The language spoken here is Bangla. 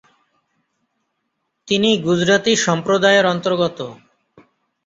তিনি গুজরাতি সম্প্রদায়ের অন্তর্গত।